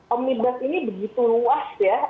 omnibus ini begitu luas ya